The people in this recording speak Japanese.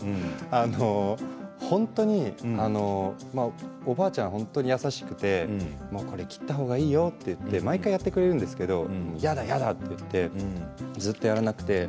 本当におばあちゃんが本当に優しくてこれ切ったほうがいいよと言って毎回やってくれるんですけど嫌だ嫌だと言ってずっとやらなくて。